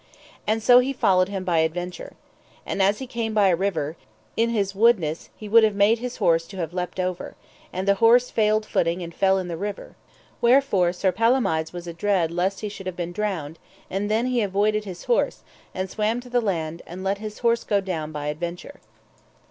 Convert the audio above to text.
And so he followed him by adventure. And as he came by a river, in his woodness he would have made his horse to have leapt over; and the horse failed footing and fell in the river, wherefore Sir Palomides was adread lest he should have been drowned; and then he avoided his horse, and swam to the land, and let his horse go down by adventure.